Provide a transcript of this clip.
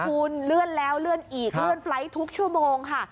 คุณเลื่อนแล้วเลื่อนอีกเลื่อนไฟล์ททุกชั่วโมงค่ะ